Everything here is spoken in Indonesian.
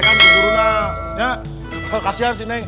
ya kasian sih neng